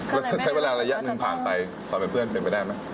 แล้วถ้าใช้เวลาระยะหนึ่งผ่านไปความเป็นเพื่อนเป็นไปได้ไหม